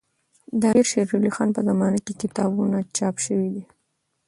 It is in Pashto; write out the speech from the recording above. د امير شېر علي خان په زمانه کي کتابونه چاپ سوي دي.